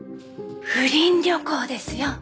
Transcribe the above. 不倫旅行ですよ。